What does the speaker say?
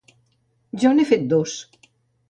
Jo n’he fet dos.